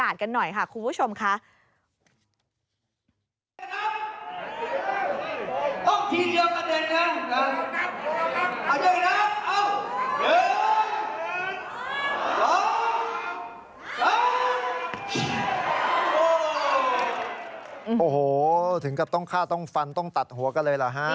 ซึ่งก็ต้องคร่าวต้องฟันต้องตัดหัวก็เลยหรือ